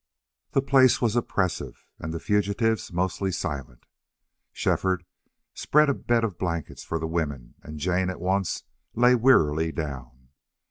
The place was oppressive and the fugitives mostly silent. Shefford spread a bed of blankets for the women, and Jane at once lay wearily down.